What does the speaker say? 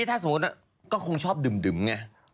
นี่ถ้าสมมุติก็คงชอบดึมไง